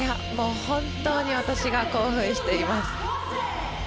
本当に私が興奮しています。